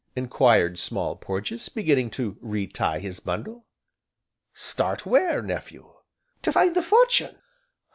enquired Small Porges, beginning to re tie his bundle. "Start where, nephew?" "To find the fortune."